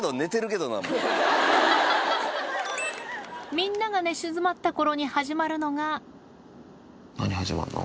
みんなが寝静まった頃に始まるのが何始まんの？